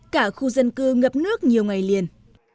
cả khu dân cư ngập nước nhiều ngày liền